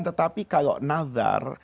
tetapi kalau nadhar